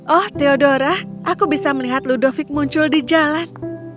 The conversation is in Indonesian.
oh theodora aku bisa melihat ludovic muncul di jalan